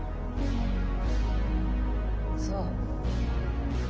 そう。